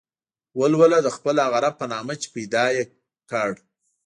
ولوله د خپل هغه رب په نامه چې پيدا يې کړ.